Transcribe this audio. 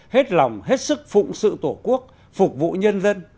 hết lòng hết sức phụng sự tổ quốc phục vụ nhân dân